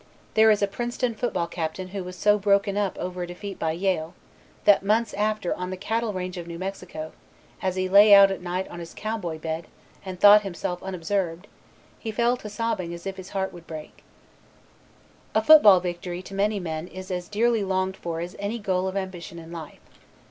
There is a Princeton football Captain who was so broken up over a defeat by Yale that, months after on the cattle range of New Mexico, as he lay out at night on his cow boy bed and thought himself unobserved, he fell to sobbing as if his heart would break. A football victory to many men is as dearly longed for as any goal of ambition in life.